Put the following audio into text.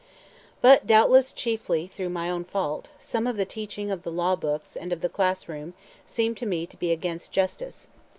But, doubtless chiefly through my own fault, some of the teaching of the law books and of the classroom seemed to me to be against justice.